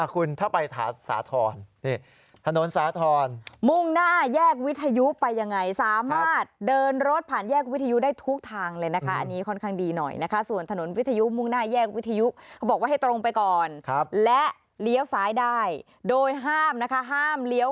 คือปกติแล้ว